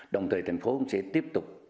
đồng thời thành phố sẽ tiếp tục